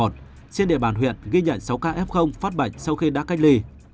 trên địa bàn huyện ghi nhận sáu ca f phát bệnh sau khi đã cách ly